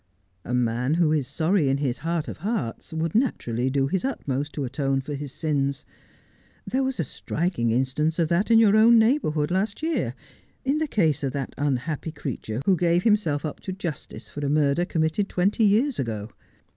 'A man who is sorry in his heart of hearts would naturally do his utmost to atone for his sins. There was a striking instance of that in your own neighbourhood last year, in the case of that unhappy creature who gave himself up to justice for a murder committed twenty years ago.